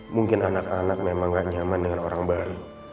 mungkin anak anak memang gak nyaman dengan orang baru